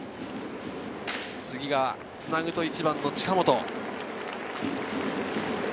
次がつなぐと１番の近本。